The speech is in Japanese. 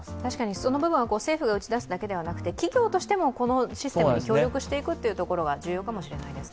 その部分は政府が打ち出すだけではなくて企業としてもこのシステムに協力していくことが重要かもしれないですね。